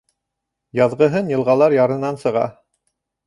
Яҙғыһын йылғалар ярынан сыға